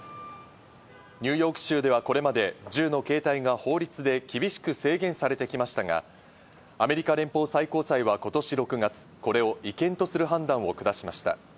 ニューヨーク州ではこれまで銃の携帯が法律で厳しく制限されてきましたが、アメリカ連邦最高裁は今年６月、これを違憲とする判断を下しました。